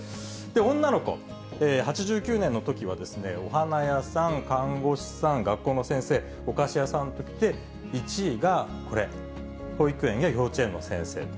女の子、８９年のときはお花屋さん、看護師さん、学校の先生、お菓子屋さんときて、１位がこれ、保育園や幼稚園の先生と。